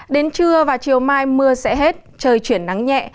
đến trưa và chiều mai mưa sẽ hết trời chuyển nắng nhẹ